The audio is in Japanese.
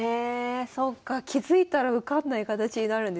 そっか気付いたら受かんない形になるんですね。